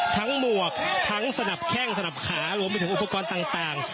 หมวกทั้งสนับแข้งสนับขารวมไปถึงอุปกรณ์ต่าง